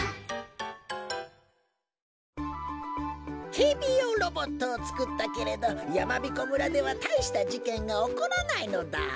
けいびようロボットをつくったけれどやまびこ村ではたいしたじけんがおこらないのだ。